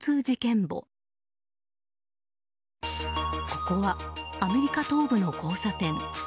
ここはアメリカ東部の交差点。